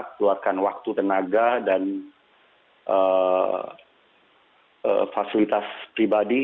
keluarkan waktu tenaga dan fasilitas pribadi